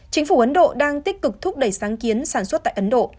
chính phủ ấn độ đang tích cực thúc đẩy sáng kiến sản xuất tại ấn độ